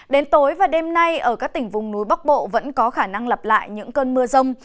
đến tối và đêm nay ở các tỉnh vùng núi bắc bộ vẫn có khả năng lặp lại những cơn mưa rông